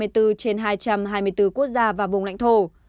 trên hai trăm hai mươi bốn quốc gia và vùng lãnh thổ